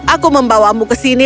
aku membawamu ke sini